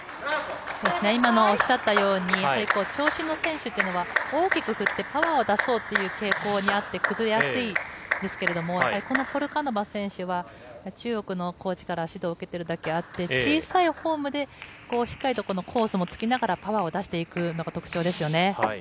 今、おっしゃったように長身の選手は大きく振ってパワーを出そうという傾向があって崩れやすいんですけどこのポルカノバ選手は中国のコーチから指導を受けているだけあって小さいフォームでコースも突きながらパワーを出していくのが特徴ですよね。